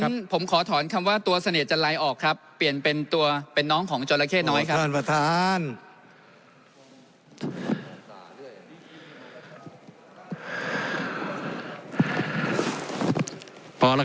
งั้นผมขอถอนคำว่าตัวเสน่ห์จะไลน์ออกเปลี่ยนเป็นนิ้องของจราแค้น้ำไว้ครับ